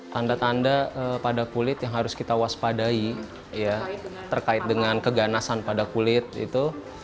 tanda tanda pada kulit yang harus kita waspadai terkait dengan keganasan pada kulit itu